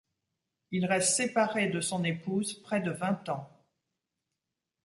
Il reste séparé de son épouse près de vingt ans.